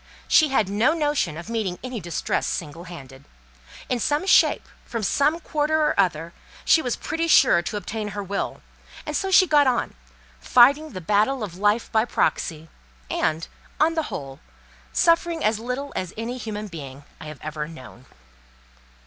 She had no notion of meeting any distress single handed. In some shape, from some quarter or other, she was pretty sure to obtain her will, and so she got on—fighting the battle of life by proxy, and, on the whole, suffering as little as any human being I have ever known.